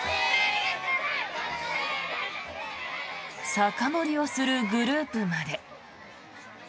酒盛りをするグループまで。